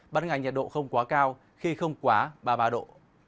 bắt ngày nhiệt độ không quá cao khi không quá ba mươi ba độ